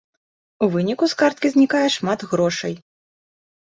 У выніку з карткі знікае шмат грошай.